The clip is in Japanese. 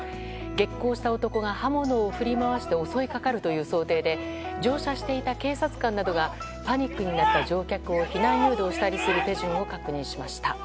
激高した男が刃物を振り回して襲いかかるという想定で乗車していた警察官などがパニックになった乗客を避難誘導したりする手順を確認しました。